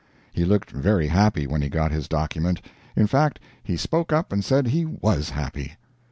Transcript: He looked very happy when he got his document; in fact, he spoke up and said he WAS happy.